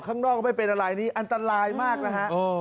ข้างนอกก็ไม่เป็นอะไรนี่อันตรายมากนะฮะ